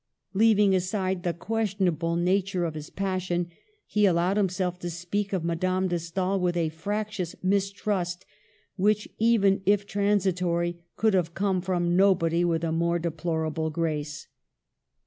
Leaving aside the questionable nature of his passion, he allowed himself to speak of Madame de Stael with a fractious mistrust which, even if transi tory, could have come from nobody with a more deplorable grace.